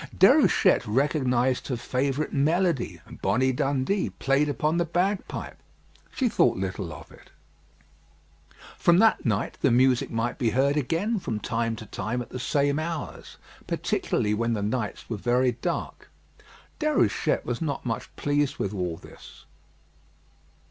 Déruchette recognised her favourite melody, "Bonnie Dundee," played upon the bagpipe. She thought little of it. From that night the music might be heard again from time to time at the same hours, particularly when the nights were very dark. Déruchette was not much pleased with all this.